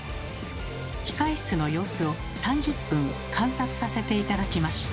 控え室の様子を３０分観察させて頂きました。